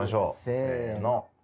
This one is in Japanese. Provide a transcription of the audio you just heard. せの。